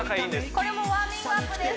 これもウォーミングアップです